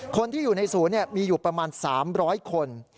คนที่อยู่ในศูนย์มีอยู่ประมาณ๓๐๐คน